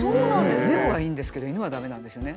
猫はいいんですけど犬は駄目なんですよね。